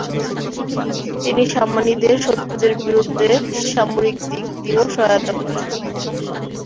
তিনি সামানিদের শত্রুদের বিরুদ্ধে সামরিকদিক দিয়েও সহায়তা করেন।